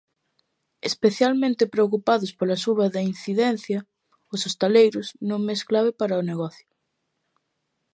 Especialmente preocupados polo suba da incidencia, os hostaleiros, nun mes clave para o negocio.